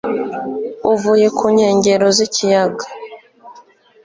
uvuye ku nkengero z'ikiyaga